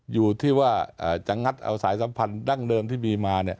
อยู่ที่ว่าจะงัดเอาสายสัมพันธ์ดั้งเดิมที่มีมา